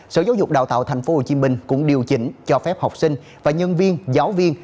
sở giáo dục đào tạo tp hcm cũng điều chỉnh cho phép học sinh và nhân viên giáo viên